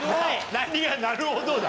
何が「なるほど」だ。